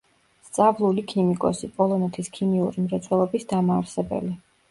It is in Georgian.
სწავლული ქიმიკოსი, პოლონეთის ქიმიური მრეწველობის დამაარსებელი.